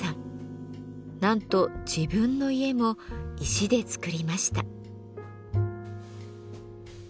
なんと自分の家も石で造りました。